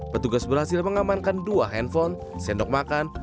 petugas berhasil mengamankan dua handphone sendok makan